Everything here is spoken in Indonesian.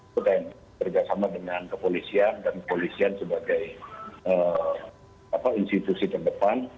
kita yang bekerjasama dengan kepolisian dan kepolisian sebagai institusi terdepan